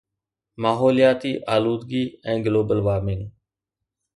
ماحولياتي آلودگي ۽ global warming